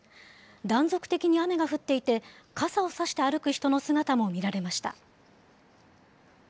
断続的に雨が降っていて、傘を差して歩く人の姿も見られました。